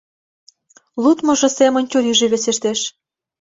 Лудмыжо семын чурийже весештеш.